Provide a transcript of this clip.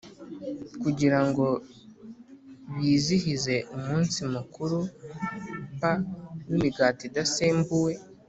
kugira ngo bizihize umunsi mukuru p w imigati idasembuwe